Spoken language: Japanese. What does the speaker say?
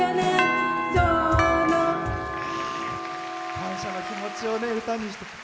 感謝の気持ちを歌にして。